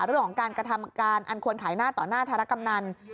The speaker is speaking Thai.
เรื่องของการกระทำการอันควรขายหน้าต่อหน้าธารกำนัน